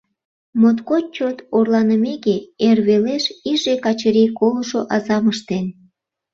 Моткоч чот орланымеке, эр велеш иже Качырий колышо азам ыштен.